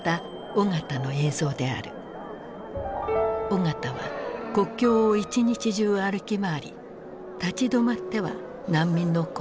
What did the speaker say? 緒方は国境を一日中歩き回り立ち止まっては難民の声を聞いた。